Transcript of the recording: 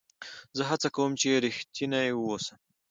زه هڅه کوم، چي رښتینی واوسم.